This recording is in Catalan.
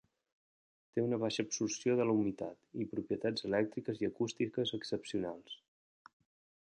Té una baixa absorció de la humitat, i propietats elèctriques i acústiques excepcionals.